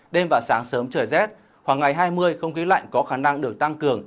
đêm và sáng sớm trời rét khoảng ngày hai mươi không khí lạnh có khả năng được tăng cường